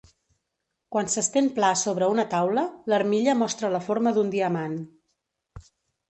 Quan s'estén pla sobre una taula, l'armilla mostra la forma d'un diamant.